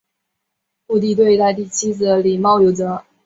顾悌对待妻子礼貌有则。